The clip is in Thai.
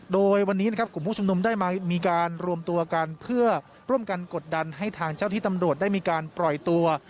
โดยวันนี้นะครับกลุ่มผู้ชมนุมได้มีการรวมตัวกันเพื่อร่วมกันกดดันให้ทางเจ้าที่ตำรวจได้มีการปล่อยตัว